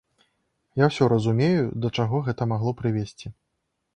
Я ўсё разумею, да чаго гэта магло прывесці.